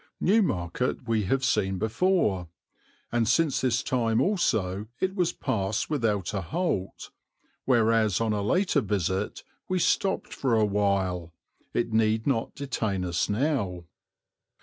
Newmarket we have seen before, and since this time also it was passed without a halt, whereas on a later visit we stopped for a while, it need not detain us now.